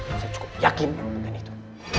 saya cukup yakin dengan itu